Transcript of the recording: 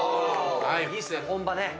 いいっすね本場ね。